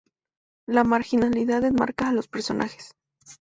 La marginalidad enmarca a los personajes.